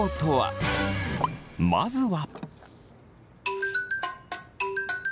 まずは。